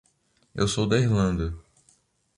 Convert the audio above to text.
Eu sou da Irlanda.